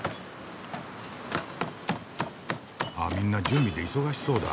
あみんな準備で忙しそうだ。